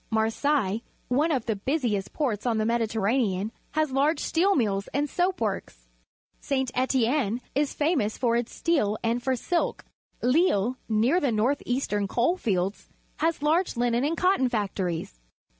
Marseilles, one of the busiest ports on the Mediterranean, has large steel mills and soap works. Si. Etienne also is famous for its steel and for silk. Lille, near the north eastern coal fields, has large linen and cotton factories.